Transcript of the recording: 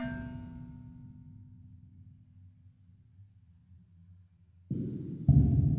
Takribani watu themanini na saba wameuawa na mamia kujeruhiwa wakati wa